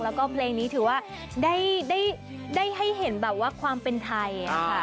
แล้วก็เพลงนี้ถือว่าได้ให้เห็นแบบว่าความเป็นไทยค่ะ